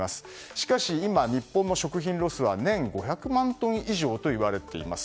しかし今、日本の食品ロスは年５００万トン以上といわれています。